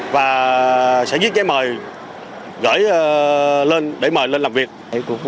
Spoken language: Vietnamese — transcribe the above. và sẽ viết giấy mời để mời lên làm việc